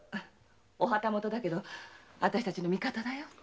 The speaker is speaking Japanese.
お旗本だけど私たちの味方だよ。